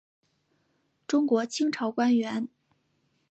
中国清朝官员。